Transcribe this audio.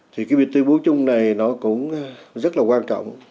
thì cái việc tuyên bố chung này nó cũng rất là quan trọng